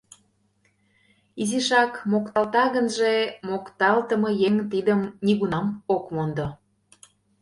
Изишак мокталта гынже - мокталтыме еҥ тидым нигунам ок мондо!